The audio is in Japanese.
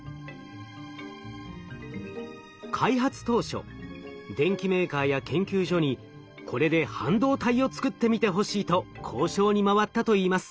開発当初電機メーカーや研究所に「これで半導体をつくってみてほしい」と交渉に回ったといいます。